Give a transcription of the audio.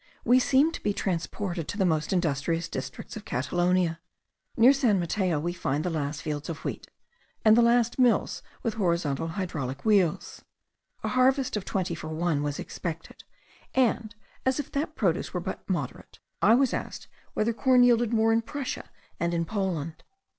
We seemed to be transported to the most industrious districts of Catalonia. Near San Mateo we find the last fields of wheat, and the last mills with horizontal hydraulic wheels. A harvest of twenty for one was expected; and, as if that produce were but moderate, I was asked whether corn yielded more in Prussia and in Poland.